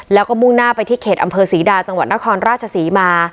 แล้วก็มุ่งหน้าไปที่เขตอำเภอศรีดาจังหวัดนครราชศรีมา